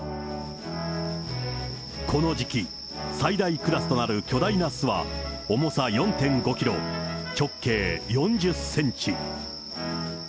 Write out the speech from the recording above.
この時期、最大クラスとなる巨大な巣は、重さ４．５キロ、直径４０センチ。